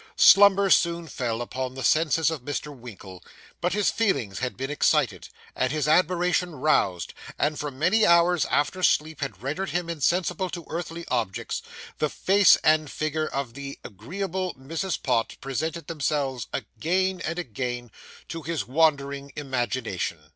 Slumber soon fell upon the senses of Mr. Winkle, but his feelings had been excited, and his admiration roused; and for many hours after sleep had rendered him insensible to earthly objects, the face and figure of the agreeable Mrs. Pott presented themselves again and again to his wandering imagination.